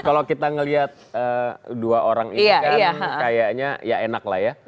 kalau kita melihat dua orang ini kan kayaknya ya enak lah ya